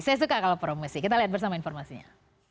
saya suka kalau promosi kita lihat bersama informasinya